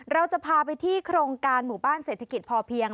เราจะพาไปที่โครงการหมู่บ้านเศรษฐกิจพอเพียง